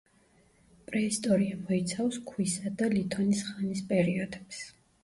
პრეისტორია მოიცავს ქვისა და ლითონის ხანის პერიოდებს.